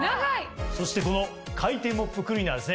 そしてこの回転モップクリーナーはですね